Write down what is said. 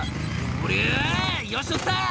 「おりゃよし載った！」